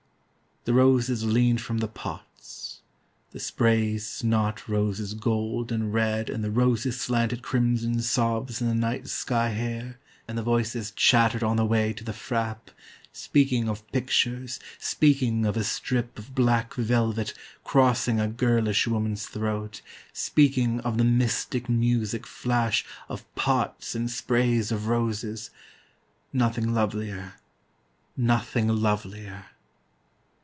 The roses leaned from the pots. The sprays snot roses gold and redAnd the roses slanted crimson sobsIn the night sky hairAnd the voices chattered on the wayTo the frappe, speaking of pictures, Speaking of a strip of black velvetCrossing a girlish woman's throat, Speaking of the mystic music flashOf pots and sprays of roses,"Nothing lovelier, nothing lovelier."